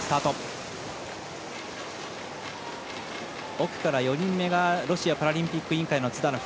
奥から４人目がロシアパラリンピック委員会のズダノフ。